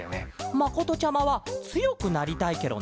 まことちゃまはつよくなりたいケロね。